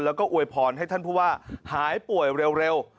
แล้วก็อวยพรให้ท่านผู้ว่าหายป่วยเร็ว